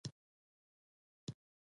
کله کله به یې یو بیت هم ورته ډالۍ کاوه.